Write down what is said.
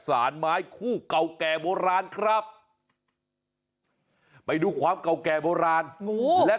สารไม้คู่เก่าแก่โบราณครับไปดูความเก่าแก่โบราณและ